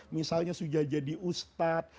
misalnya sudah jadi ustad